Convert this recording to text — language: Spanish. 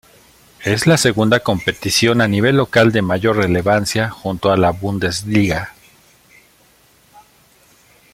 Es la segunda competición a nivel local de mayor relevancia junto a la Bundesliga.